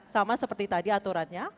sama seperti tadi aturannya